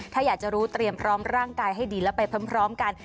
ถ้าอยากจะรู้เตรียมพร้อมร่างกายให้ดีแล้วไปพร้อมกัน